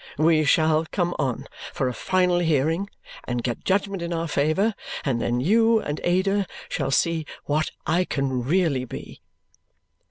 We shall come on for a final hearing and get judgment in our favour, and then you and Ada shall see what I can really be!"